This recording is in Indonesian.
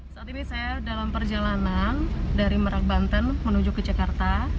saat ini saya dalam perjalanan dari merak banten menuju ke jakarta